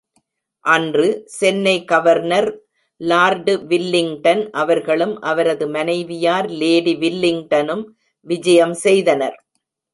அன்று, Chennai governor Lord Willingdon அவர்களும் அவரது மனைவியார் லேடி வில்லிங்டனும் விஜயம் செய்தனர்.